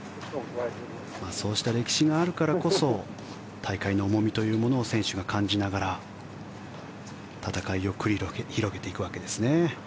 そうした歴史があるからこそ大会の重みというものを選手が感じながら戦いを繰り広げていくわけです。